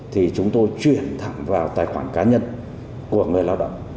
thì chúng tôi chuyển thẳng vào tài khoản cá nhân của người lao động